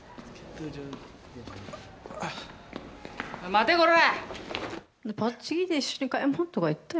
待て、こら。